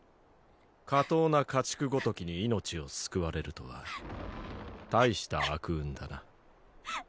下等な家畜ごときに命を救われるとは大した悪運だな。